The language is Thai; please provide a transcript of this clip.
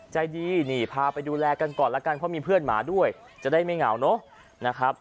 ใจดีพาไปดูแลกันก่อนแล้วกันเพราะมีเพื่อนหมาด้วยจะได้ไม่เหงา